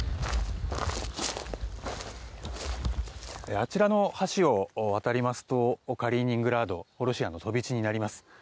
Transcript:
あちらの橋を渡りますとカリーニングラードロシアの飛び地になります。